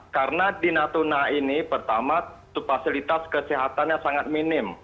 karena di natuna ini pertama fasilitas kesehatannya sangat minim